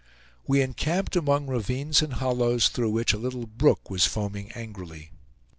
We encamped among ravines and hollows, through which a little brook was foaming angrily.